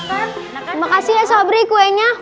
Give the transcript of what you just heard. terima kasih ya sabri kuenya